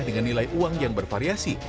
dengan nilai uang yang bervariasi